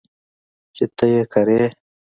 چې ته یې کرې .